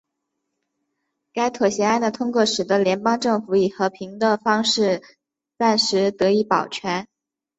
该妥协案的通过使得联邦政府以和平的方式暂时得以保全。